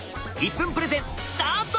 １分プレゼンスタート！